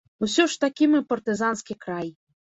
Усё ж такі мы партызанскі край.